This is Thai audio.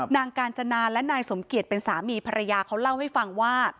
นางกาญจนาและนายสมเกียจเป็นสามีภรรยาเขาเล่าให้ฟังว่า